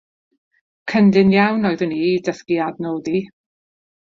Cyndyn iawn oeddwn i i ddysgu adnod.